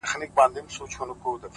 وخت د هر عمل اغېز ساتي!